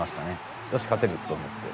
「よし勝てる」と思って。